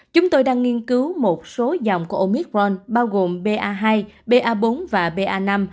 chúng tôi đang nghiên cứu một số dòng của omicron bao gồm ba hai ba bốn và ba năm